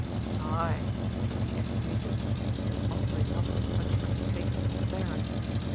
"Aye," said the ex Regent though possibly not in such good faith as the Baron.